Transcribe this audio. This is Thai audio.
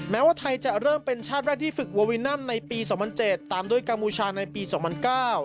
แม้ว่าไทยจะเริ่มเป็นชาติแรกที่ฝึกโววินัมในปีสองพันเจ็ดตามด้วยกัมพูชาในปีสองพันเก้า